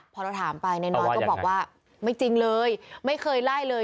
พอเราถามไปนายน้อยก็บอกว่าไม่จริงเลยไม่เคยไล่เลย